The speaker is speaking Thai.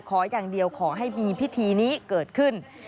ขออย่างเดียวขอให้มีพิธีนี้เกิดขึ้น